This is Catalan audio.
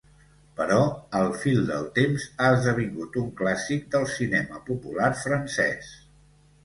Però, al fil del temps, ha esdevingut un clàssic del cinema popular francès.